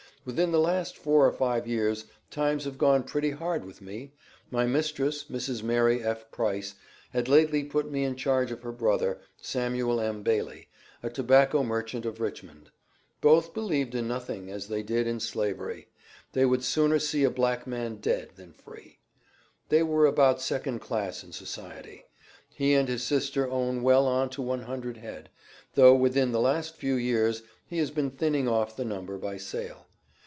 "Within the last four or five years, times have gone pretty hard with me. My mistress, Mrs. Mary F. Price, had lately put me in charge of her brother, Samuel M. Bailey, a tobacco merchant of Richmond. Both believed in nothing as they did in Slavery; they would sooner see a black man dead than free. They were about second class in society. He and his sister own well on to one hundred head, though within the last few years he has been thinning off the number by sale.